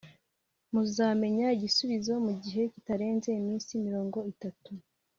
Muzamenya igisubizo mugihe kitarenze iminsi mirongo itatu